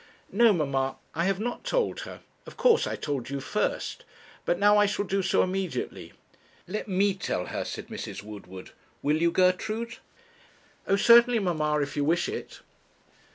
'No, mamma, I have not told her; of course I told you first. But now I shall do so immediately.' 'Let me tell her,' said Mrs. Woodward, 'will you, Gertrude?' 'Oh! certainly, mamma, if you wish it.'